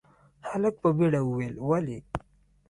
هلک په بيړه وويل، ولې؟